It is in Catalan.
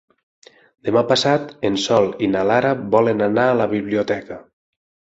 Demà passat en Sol i na Lara volen anar a la biblioteca.